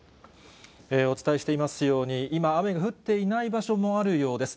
お伝えしていますように、今、雨が降っていない場所もあるようです。